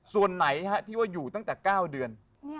ส่วนไหนที่ว่าอยู่ตั้งแต่๙เดือน